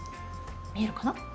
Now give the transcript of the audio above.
見えるかな？